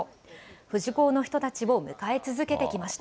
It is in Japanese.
富士講の人たちを迎え続けてきました。